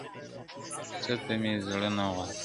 څه ته مي زړه نه غواړي,